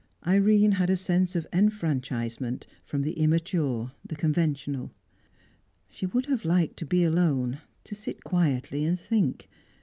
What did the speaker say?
Irene had a sense of enfranchisement from the immature, the conventional. She would have liked to be alone, to sit quietly and think.